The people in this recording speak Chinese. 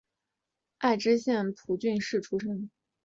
爱知县蒲郡市出身。